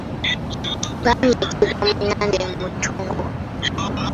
Bannyikibwa mu nnyanja e Mutungo.